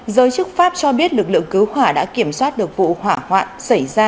giới chức pháp cho biết lực lượng cứu hỏa đã kiểm soát được vụ hỏa hoạn xảy ra